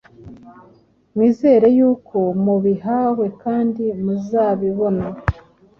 mwizere yuko mubihawe kandi muzabibona.